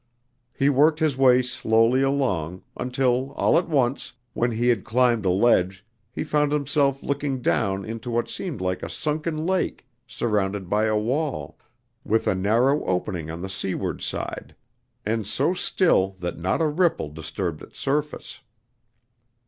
He worked his way slowly along, until all at once, when he had climbed a ledge, he found himself looking down into what seemed like a sunken lake surrounded by a wall, with a narrow opening on the seaward side, and so still that not a ripple disturbed its surface.